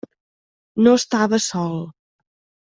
No estava sol.